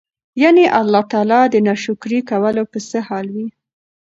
يعني الله تعالی د ناشکري کولو به څه حال وي؟!!.